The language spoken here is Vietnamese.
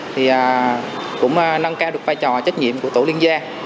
thì cũng nâng cao được vai trò trách nhiệm của tổ liên gia